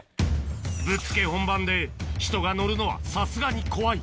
ぶっつけ本番で人が乗るのはさすがに怖い